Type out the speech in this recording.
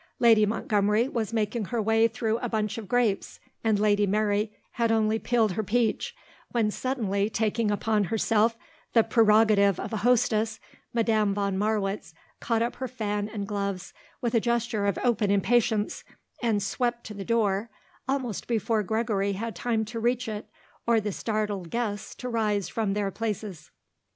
Lady Montgomery was making her way through a bunch of grapes and Lady Mary had only peeled her peach, when, suddenly, taking upon herself the prerogative of a hostess, Madame von Marwitz caught up her fan and gloves with a gesture of open impatience, and swept to the door almost before Gregory had time to reach it or the startled guests to rise from their places.